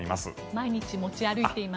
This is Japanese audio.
毎日持ち歩いています。